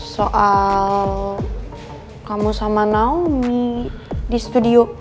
soal kamu sama naomi di studio